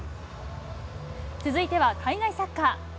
続いては海外サッカー。